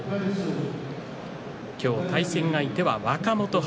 今日、対戦相手は若元春。